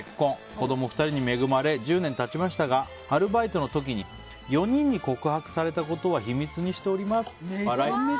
子供２人に恵まれ１０年経ちましたがアルバイトの時に４人に告白されたことは秘密にしております、笑い。